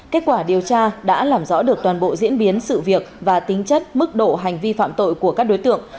kết quả điều tra đã làm rõ được toàn bộ diễn biến sự việc và tính chất mức độ hành vi phạm tội của các đối tượng